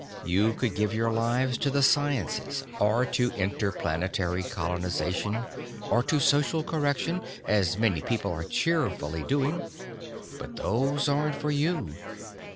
You could give your lives to the sciences or to inter planetary colonization or to social correction, as many people are cheerfully doing but those aren't for you.